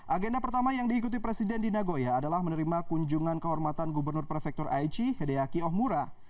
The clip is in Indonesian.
agenda pertama yang diikuti presiden di nagoya adalah menerima kunjungan kehormatan gubernur prefektur aichi hedeyaki ohmura